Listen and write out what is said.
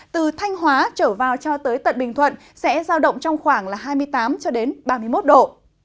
từ thanh hóa trở vào cho tới tận bình thuận sẽ giao động trong khoảng hai mươi tám ba mươi một độ